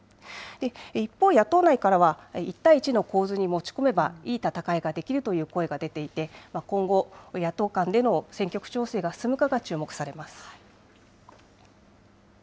一方、野党内からは、１対１の構図に持ち込めばいい戦いができるという声が出ていて、今後、野党間での選挙区調整が進むかが注目されます。